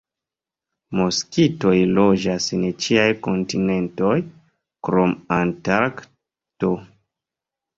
Moskitoj loĝas en ĉiaj kontinentoj krom Antarkto.